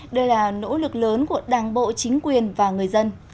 đây là nỗ lực lớn của đảng bộ chính quyền và người dân